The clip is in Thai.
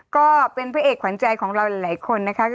ก็เป็นพระเอกขวัญใจของเราหลายคนนะคะ